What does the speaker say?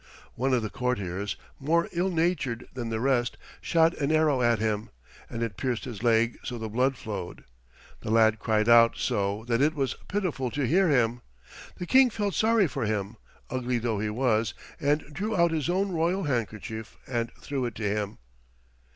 One of the courtiers, more ill natured than the rest, shot an arrow at him, and it pierced his leg so the blood flowed. The lad cried out so that it was pitiful to hear him. The King felt sorry for him, ugly though he was, and drew out his own royal handkerchief and threw it to him.